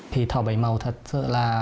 thì thỏ bảy màu thật sự là